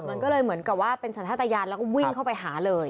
มันก็เลยเหมือนกับว่าเป็นสัญชาติยานแล้วก็วิ่งเข้าไปหาเลย